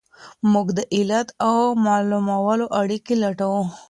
موږ د علت او معلول اړیکي لټوو.